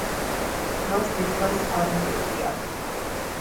მას დიდხანს არ უმეფია.